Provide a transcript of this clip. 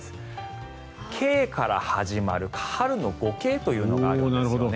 Ｋから始まる春の５Ｋというのがあるんですよね。